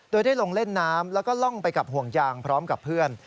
โดยได้ลงเล่นน้ำแล้วก็ล่องไปกับห่วงยางพร้อมกับเพื่อน